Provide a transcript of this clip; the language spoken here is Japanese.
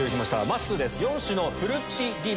まっすーです。